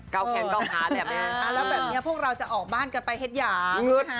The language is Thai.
เก้าแขนเก้าขาแล้วแบบนี้พวกเราจะออกบ้านกันไปเห็ดอย่าง